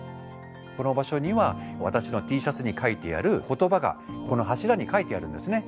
この場所には私のＴシャツに書いてある言葉がこの柱に書いてあるんですね。